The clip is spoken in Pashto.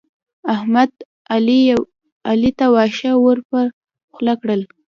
احمد؛ علي ته واښه ور پر خوله کړل.